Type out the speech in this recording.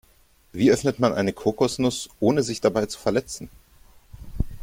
Wie öffnet man eine Kokosnuss, ohne sich dabei zu verletzen?